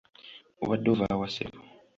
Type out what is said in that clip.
Obadde ova wa ssebo?